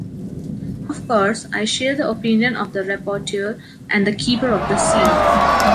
Of course, I share the opinion of the rapporteur and the Keeper of the Seals.